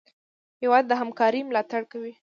هېواد د همکارۍ ملاتړ کوي.